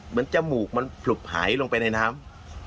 เหมือนจมูกมันผลุกหายลงไปในน้ำ